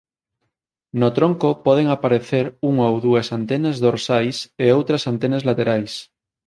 No tronco poden aparecer unha ou dúas antenas dorsais e outras antenas laterais.